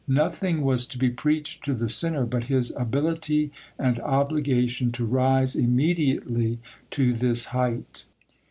Nothing was to be preached to the sinner, but his ability and obligation to rise immediately to this height.